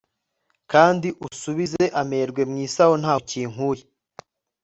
kandi usubize amerwe mwisaho ntaho ukinkuye